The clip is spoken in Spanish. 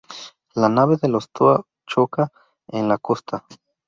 La nave de los Toa choca en la costa.